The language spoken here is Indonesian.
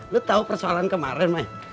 lo tau persoalan kemaren mai